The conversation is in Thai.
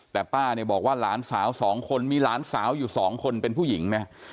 แต่ป้าเนี่ยบอกว่าหลานสาวสองคนมีหลานสาวอยู่สองคนเป็นผู้หญิงนะ